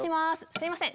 ・すいません